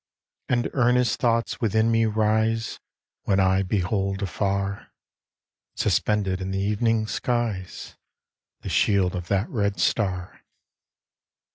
And earnest thoughts within me rise, When I behold afar, Suspended in the evening skies The shield of that red star.